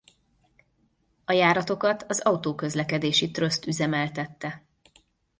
A járatokat az Autóközlekedési Tröszt üzemeltette.